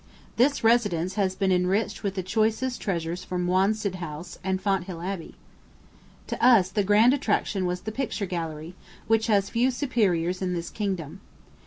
This residence has been enriched with the choicest treasures from Wanstead House, and Fonthill Abbey. To us the grand attraction was the Picture Gallery, which has few superiors in the kingdom.